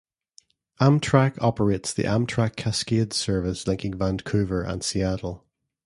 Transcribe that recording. Amtrak operates the Amtrak Cascades service linking Vancouver and Seattle.